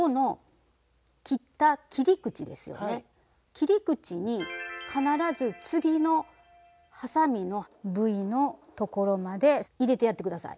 切り口に必ず次のはさみのＶのところまで入れてやって下さい。